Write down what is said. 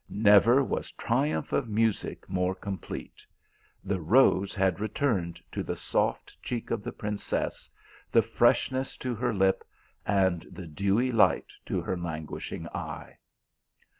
Never was triumph of music more complete. The rose had returned to the soft cheek of the princess, the f reshness to her lip, and the dewy light to her lan guishing eye.